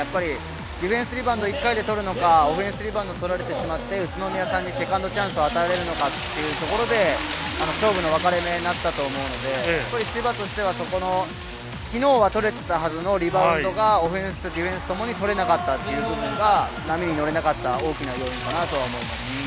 ディフェンスリバウンドを１回に取るのか、オフェンスリバウンドを取られてしまって宇都宮さんにセカンドチャンスを与えられるのかというところで、勝負の分かれ目になったと思うので、千葉としては昨日は取れていたはずのリバウンドがオフェンス、ディフェンスともに取れなかったという部分で、波に乗れなかった大きな要因だと思います。